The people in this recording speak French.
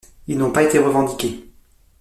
Ils n'ont pas été revendiqués.